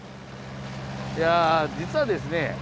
いや実はですね